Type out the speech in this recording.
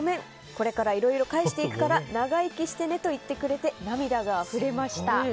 これからいろいろ返していくから長生きしてねと言ってくれて涙があふれました。